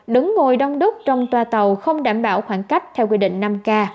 đứng ngồi đông đúc trong toa tàu không đảm bảo khoảng cách theo quy định năm k